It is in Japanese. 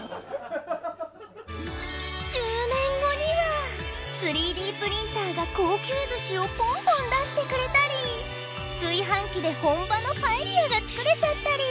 １０年後には３Ｄプリンターが高級寿司をポンポン出してくれたり炊飯器で本場のパエリアが作れちゃったり。